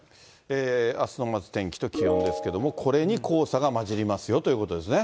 あすのまず天気と気温ですけども、これに黄砂が混じりますよということですね。